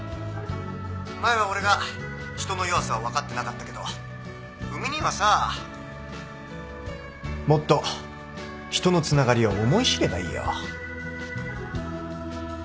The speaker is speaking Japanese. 前は俺が人の弱さを分かってなかったけど海兄はさもっと人のつながりを思い知ればいいよ